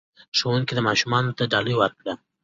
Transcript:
ښوونکي ماشومانو ته ډالۍ ورکړې.